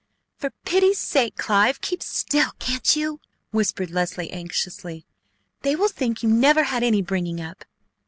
"For pity's sake, Clive, keep still, can't you?" whispered Leslie anxiously. "They will think you never had any bringing up!"